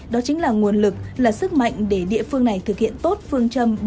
đó chính là nguồn lực là sức mạnh để địa phương này thực hiện tốt phương châm bốn